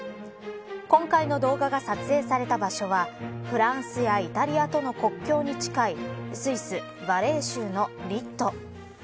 今回の動画が撮影された場所はフランスやイタリアとの国境に近いスイス、ヴァレー州のリッド。